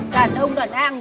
cả lông đoạn an